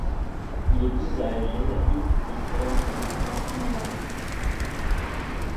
Il épouse à Alger la fille du peintre orientaliste Maxime Noiré.